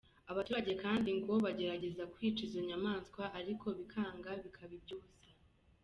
Abaturage kandi ngo bagerageza kwica izo nyamaswa ariko bikanga bikaba iby’ubusa.